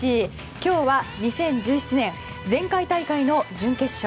今日は２０１７年前回大会の準決勝。